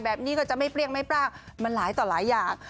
แบบนี้ก็จะไม่เปรี้ยงไม่ปร่างมันหลายต่อหลายอย่าง